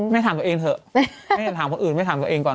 แม่ถามตัวเองเถอะแม่ถามคนอื่นไม่ถามตัวเองก่อน